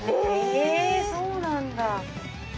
へぇそうなんだ。